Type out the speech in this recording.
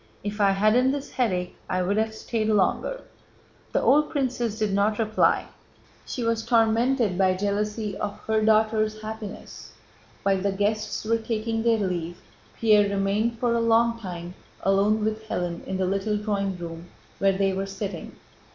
"If I hadn't this headache I'd have stayed longer." The old princess did not reply, she was tormented by jealousy of her daughter's happiness. While the guests were taking their leave Pierre remained for a long time alone with Hélène in the little drawing room where they were sitting.